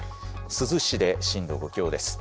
珠洲市で震度５強です。